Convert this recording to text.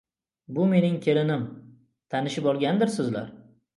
Bu mening kelinim, tanishib olgandirsizlar?